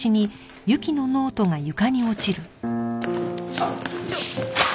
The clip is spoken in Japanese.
あっ。